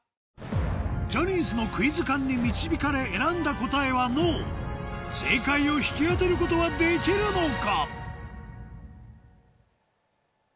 ジャニーズのクイズ勘に導かれ選んだ答えは「ＮＯ」正解を引き当てることはできるのか？